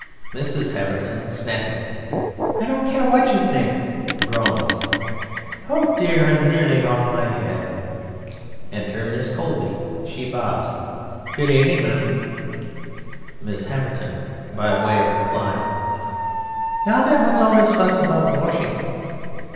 MRS. HAVERTON (snapping): I don't care what you think! Oh, dear! I'm nearly off my head! Enter MISS COBLEY. (She bobs.) Good evening, m'm. MRS. HAVERTON (by way of reply): Now, then! What's all this fuss about the washing?